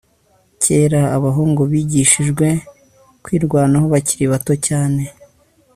Kera abahungu bigishijwe kwirwanaho bakiri bato cyane